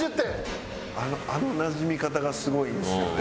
あのなじみ方がすごいんですよね。